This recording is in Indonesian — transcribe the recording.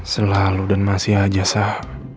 selalu dan masih aja sah